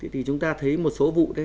thì chúng ta thấy một số vụ